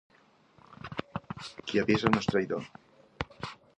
Qui avisa no és traïdor.